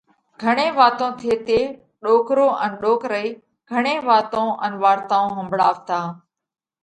گھڻي واتون ٿيتي ڏوڪرو ان ڏوڪرئِي گھڻي واتون ان وارتائون ۿمڀۯاوَتا۔